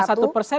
ya cukup besar